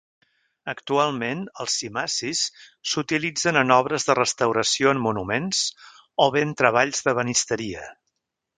Actualment, els cimacis s'utilitzen en obres de restauració en monuments, o bé en treballs d'ebenisteria.